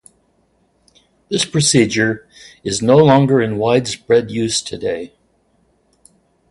This procedure is no longer in widespread use today.